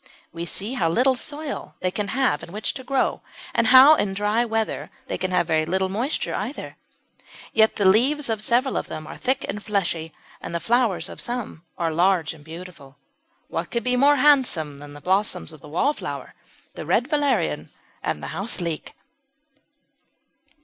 We see how little soil they can have in which to grow, and how, in dry weather, they can have very little moisture either. Yet the leaves of several of them are thick and fleshy, and the flowers of some are large and beautiful. What could be more handsome than the blossoms of the Wallflower, the Red Valerian, and the Houseleek?